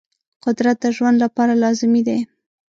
قدرت د ژوند لپاره لازمي دی.